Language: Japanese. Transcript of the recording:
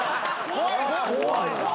怖いな。